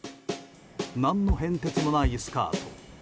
何の変哲もないスカート。